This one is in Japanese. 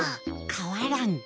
かわらん。